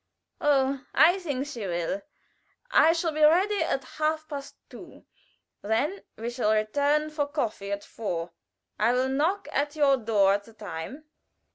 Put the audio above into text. "Oh, I think she will. I shall be ready at half past two; then we shall return for coffee at four. I will knock at your door at the time."